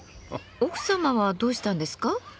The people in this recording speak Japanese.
奥様はどうしたんですか？